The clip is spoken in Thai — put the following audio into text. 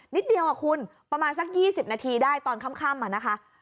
นิดเดียวอ่ะคุณประมาณสักยี่สิบนาทีได้ตอนค่ำอ่ะนะคะ